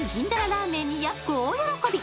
ラーメンにやす子大喜び！